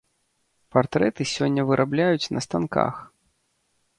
Партрэты сёння вырабляюць на станках.